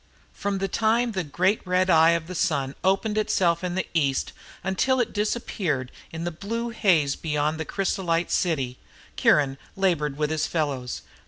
From the time the great red eye of the sun opened itself in the East until it disappeared in the blue haze beyond the crysolite city, Kiron labored with his fellows.